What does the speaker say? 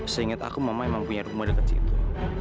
seingat aku mama emang punya rumah deket situ